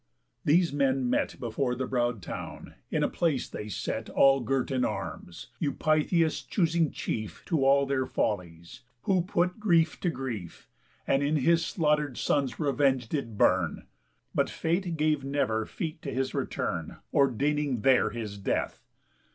These men met Before the broad town, in a place they set All girt in arms; Eupitheus choosing chief To all their follies, who put grief to grief, And in his slaughter'd son's revenge did burn. But Fate gave never feet to his return, Ordaining there his death.